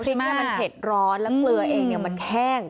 มันเผ็ดร้อนแล้วเกลือเองมันแห้ง